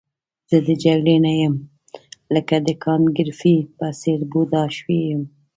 زه د جګړې نه یم لکه د کانت ګریفي په څېر بوډا شوی یم.